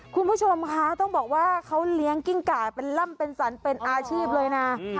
คุณผู้ชมคะต้องบอกว่าเขาเลี้ยงกิ้งก่าเป็นล่ำเป็นสรรเป็นอาชีพเลยนะ